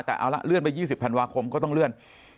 แต่เอาละเลื่อนไป๒๐ธันวาคมก็ต้องเลื่อน